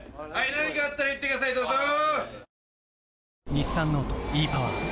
・・何かあったら言ってくださいどうぞ！